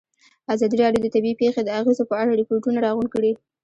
ازادي راډیو د طبیعي پېښې د اغېزو په اړه ریپوټونه راغونډ کړي.